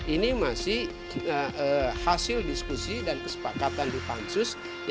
ini masih hasil diskusi dan kesepakatan di pansus